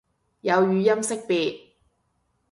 有語音識別